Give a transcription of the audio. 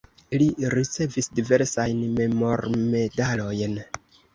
Li ricevis diversajn memormedalojn.